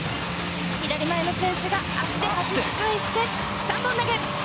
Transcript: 左前の選手が足ではじき返して３本投げ。